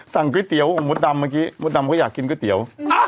ก๋วยเตี๋ยวของมดดำเมื่อกี้มดดำเขาอยากกินก๋วยเตี๋ยว